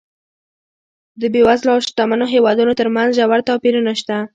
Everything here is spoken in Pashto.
د بېوزلو او شتمنو هېوادونو ترمنځ ژور توپیرونه شته.